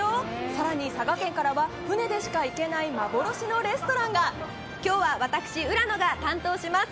さらに、佐賀県からは、船でしか行けない、幻のレストラきょうは、私、浦野が担当します。